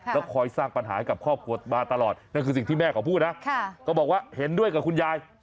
แล้วคอยสร้างปัญหาให้กับครอบครัวมาตลอดนั่นคือสิ่งที่แม่เขาพูดนะก็บอกว่าเห็นด้วยกับคุณยาย